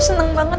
aku seneng banget